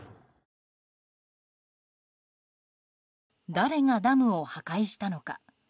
誰がダムを破壊したのか。